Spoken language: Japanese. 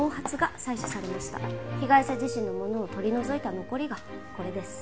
被害者自身のものを取り除いた残りがこれです。